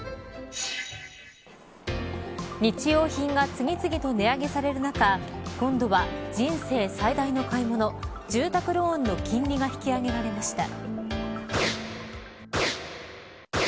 日用品が次々と値上げされる中今度は人生最大の買い物住宅ローンの金利が引き上げられました。